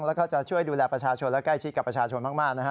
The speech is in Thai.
แล้วก็จะช่วยดูแลประชาชนและใกล้ชิดกับประชาชนมากนะฮะ